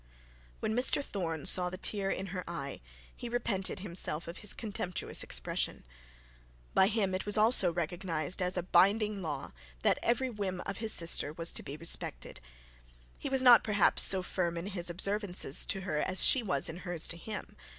When Mr Thorne saw the tear in her eye, he repented himself of his contemptuous expression. By him also it was recognised as a binding law that every whim of his sister was to be respected. He was not perhaps so firm in his observances to her, as she was in hers to him.